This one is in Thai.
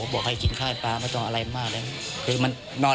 บ่้าพาปามันต้องต้องอะไรมากเลยคือมันนอน